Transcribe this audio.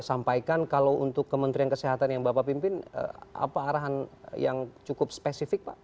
sampaikan kalau untuk kementerian kesehatan yang bapak pimpin apa arahan yang cukup spesifik pak